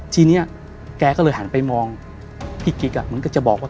ทีนี้แกก็เลยหันไปมองพี่กิ๊กมันก็จะบอกว่า